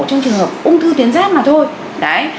trong trường hợp ung thư tuyến giáp mà thôi